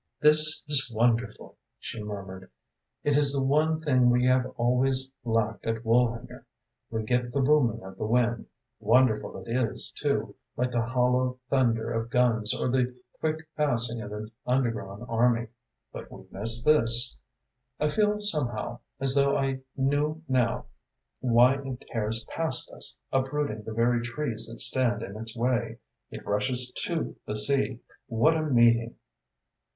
"This is wonderful," she murmured. "It is the one thing we have always lacked at Woolhanger. We get the booming of the wind wonderful it is, too, like the hollow thunder of guns or the quick passing of an underground army but we miss this. I feel, somehow, as though I knew now why it tears past us, uprooting the very trees that stand in its way. It rushes to the sea. What a meeting!"